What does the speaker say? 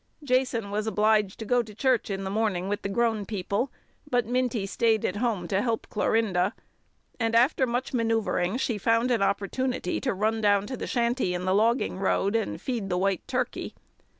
Jason was obliged to go to church in the morning with the grown people, but Minty stayed at home to help Clorinda, and after much manoeuvring she found an opportunity to run down to the shanty in the logging road and feed the white turkey.